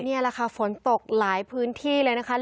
นี่แหละค่ะฝนตกหลายพื้นที่เลยนะคะ